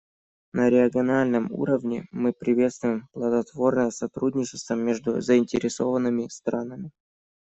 На региональном уровне мы приветствуем плодотворное сотрудничество между заинтересованными странами.